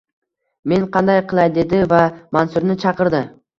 Men qanday qilay! – dedi va Mansurni chaqirdi.